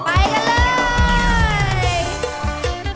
ไปกันเลย